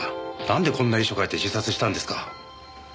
なんでこんな遺書書いて自殺したんですか。